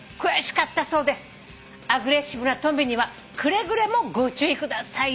「アグレッシブなトンビにはくれぐれもご注意くださいね」